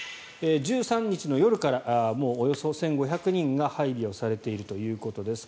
１３日の夜からもうおよそ１５００人が配備されているということです。